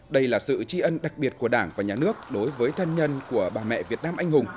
đây là sự tri ân đặc biệt của đảng và nhà nước đối với thân nhân của bà mẹ việt nam anh hùng